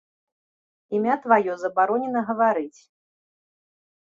Імя тваё забаронена гаварыць.